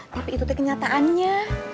tapi itu tuh kenyataannya